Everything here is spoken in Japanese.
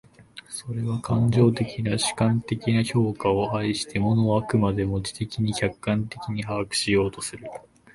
それは感情的な主観的な評価を排して、物を飽くまでも知的に客観的に把握しようとする。